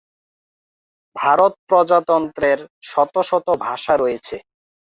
ভারত প্রজাতন্ত্রের শত শত ভাষা রয়েছে।